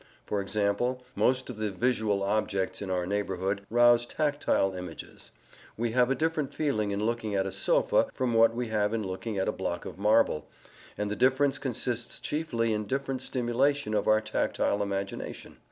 For example, most of the visual objects in our neighbourhood rouse tactile images: we have a different feeling in looking at a sofa from what we have in looking at a block of marble, and the difference consists chiefly in different stimulation of our tactile imagination.